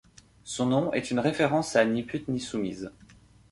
Son nom est une référence à Ni putes ni soumises.